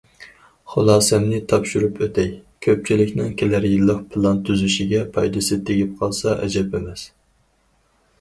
خۇلاسەمنى تاپشۇرۇپ ئۆتەي، كۆپچىلىكنىڭ كېلەر يىللىق پىلان تۈزۈشىگە پايدىسى تېگىپ قالسا ئەجەب ئەمەس.